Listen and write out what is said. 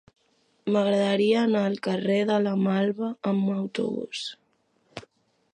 M'agradaria anar al carrer de la Malva amb autobús.